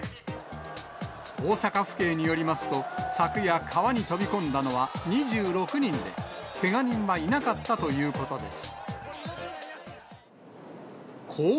大阪府警によりますと、昨夜、川に飛び込んだのは２６人で、けが人はいなかったということです。